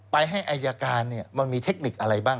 ให้อายการมันมีเทคนิคอะไรบ้าง